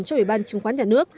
cho ủy ban chứng khoán nhà nước